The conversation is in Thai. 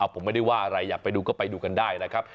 ผมไม่ได้ว่าอะไรอยากไปดูก็ไปดูกันได้นะครับ